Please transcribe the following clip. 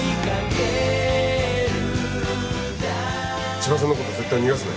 千葉さんのこと絶対逃がすなよ。